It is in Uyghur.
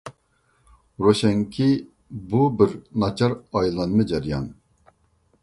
روشەنكى بۇ بىر ناچار ئايلانما جەريان.